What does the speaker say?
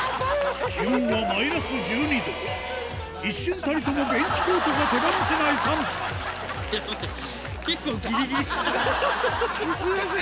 気温はマイナス１２度一瞬たりともベンチコートが手放せない寒さすいません。